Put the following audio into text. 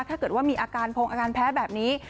ถ้าเกิดว่ามีอาการพงอาการแพ้แบบนี้